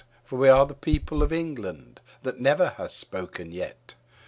For we are the people of England, that never have spoken yet.